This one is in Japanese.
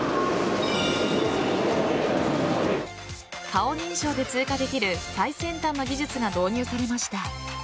顔認証で通過できる最先端の技術が導入されました。